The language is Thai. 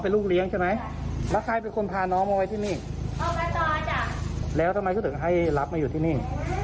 แล้วทำไมเขาถึงให้รับมาอยู่ที่นี่